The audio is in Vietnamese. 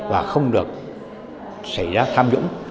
và không được xảy ra tham dũng